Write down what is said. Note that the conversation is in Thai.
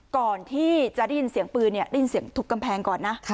ก่อนที่จะได้ยินเสียงปืนได้ยินเสียงทุบกำแพงก่อนนะ